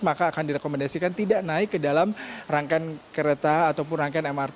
maka akan direkomendasikan tidak naik ke dalam rangkaian kereta ataupun rangkaian mrt